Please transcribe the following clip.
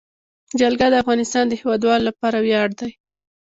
جلګه د افغانستان د هیوادوالو لپاره ویاړ دی.